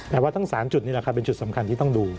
แต่ว่าทั้ง๓จุดนี่แหละครับเป็นจุดสำคัญที่ต้องดู